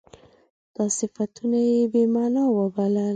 دا صفتونه یې بې معنا وبلل.